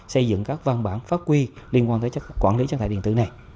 xây dựng các văn bản pháp quy liên quan tới quản lý chất thải điện tử này